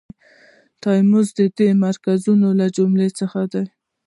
تلاموس د دې مرکزونو له جملو څخه دی.